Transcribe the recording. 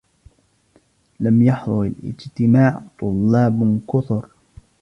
لم يحضر الاجتماع طلاب كثر.